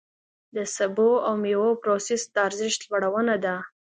د سبو او مېوو پروسس د ارزښت لوړونه ده.